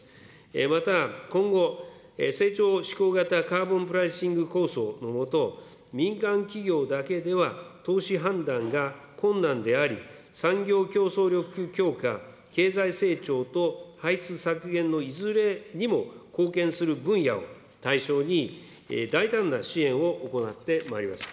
また、今後、成長しこう型カーボンプライシング構想の下、民間企業だけでは投資判断が困難であり、産業競争力強化、経済成長と排出削減のいずれにも貢献する分野を対象に、大胆な支援を行ってまいります。